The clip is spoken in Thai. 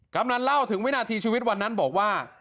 กำลังเล่าถึงวินาทีชีวิตวันนั้นบอกว่า